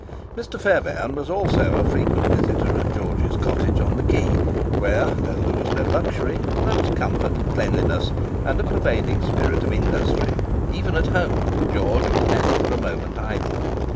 Mr. Fairbairn was also a frequent visitor at George's cottage on the Quay, where, though there was no luxury, there was comfort, cleanliness, and a pervading spirit of industry. Even at home George was never for a moment idle.